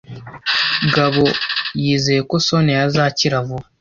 Gabo yizeye ko Soniya azakira vuba.